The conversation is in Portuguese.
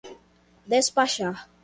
despachar